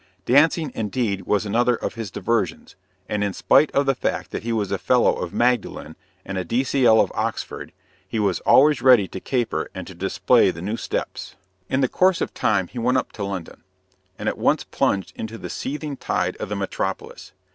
Dancing, indeed, was another of his diversions, and, in spite of the fact that he was a fellow of Magdalen and a D.C.L. of Oxford, he was always ready to caper and to display the new steps. In the course of time, he went up to London; and at once plunged into the seething tide of the metropolis.